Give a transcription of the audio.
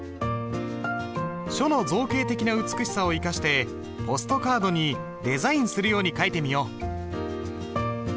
書の造形的な美しさを生かしてポストカードにデザインするように書いてみよう。